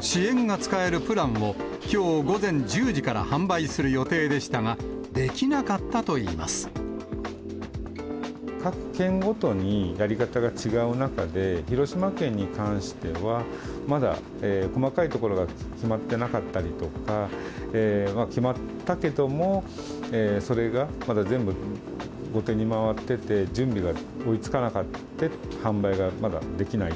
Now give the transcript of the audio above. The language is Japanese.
支援が使えるプランを、きょう午前１０時から販売する予定でしたが、できなかったといい各県ごとにやり方が違う中で、広島県に関しては、まだ細かいところが決まってなかったりとか、決まったけども、それがまだ全部、後手に回ってて、準備が追いつかなくて販売がまだできない。